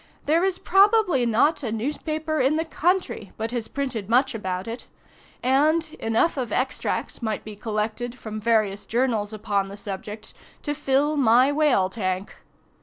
There is probably not a newspaper in the country but has printed much about it; and enough of extracts might be collected from various journals upon the subject to fill my whale tank.